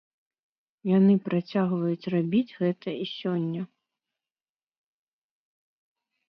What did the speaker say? Яны працягваюць рабіць гэта і сёння.